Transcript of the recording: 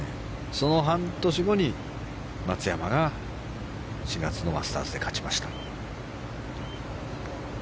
その半年後に松山が４月のマスターズで勝ちました。